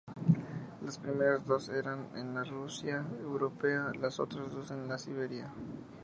Las primeras dos están en la Rusia europea, las otras dos en la Siberia.